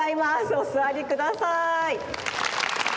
おすわりください。